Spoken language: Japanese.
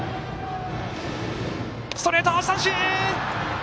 ストレート、三振！